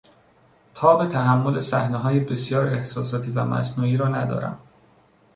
تاب تحمل صحنههای بسیار احساساتی و مصنوعی را ندارم.